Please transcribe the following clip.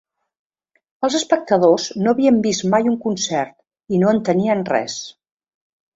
Els espectadors no havien vist mai un concert i no entenien res.